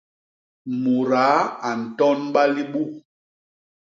Mudaa a ntonba libu.